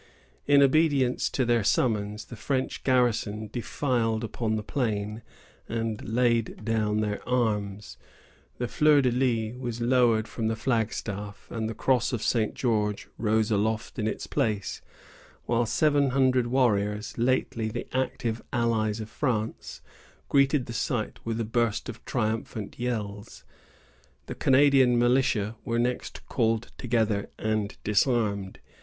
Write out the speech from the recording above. In obedience to their summons, the French garrison defiled upon the plain, and laid down their arms. The fleur de lis was lowered from the flagstaff, and the cross of St. George rose aloft in its place, while seven hundred Indian warriors, lately the active allies of France, greeted the sight with a burst of triumphant yells. The Canadian militia were next called together and disarmed.